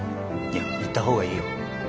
いや行った方がいいよ。